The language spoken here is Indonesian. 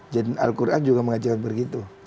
jadi al quran juga mengajar begitu